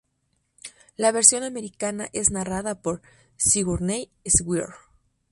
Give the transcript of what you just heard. La versión americana es narrada por Sigourney Weaver.